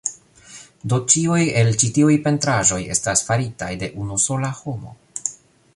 Do, ĉiuj el ĉi tiuj pentraĵoj estas faritaj de unu sola homo